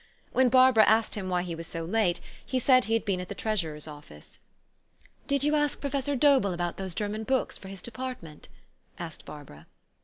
When Barbara asked him why he was so late, he said he had been at the treasurer's office. '' Did you ask Professor Dobell about those Ger man books for his department? " asked Barbara.